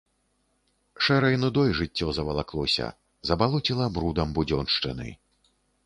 Шэрай нудой жыццё завалаклося, забалоціла брудам будзёншчыны.